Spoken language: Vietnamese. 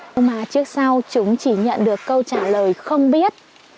nhưng mà trước sau chúng chỉ nhận được câu trả lời không biết